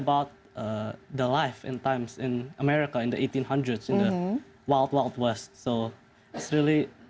jadi sekarang kita membaca buku my antonia